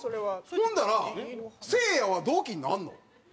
ほんだらせいやは同期になるの？